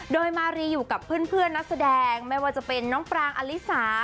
โดยมารีอยู่กับเพื่อนนักแสดงไม่ว่าจะเป็นน้องปรางอลิสา